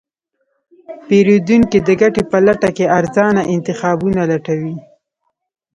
پیرودونکی د ګټې په لټه کې ارزانه انتخابونه لټوي.